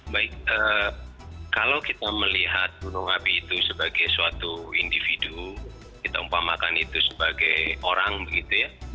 baik kalau kita melihat gunung api itu sebagai suatu individu kita umpamakan itu sebagai orang begitu ya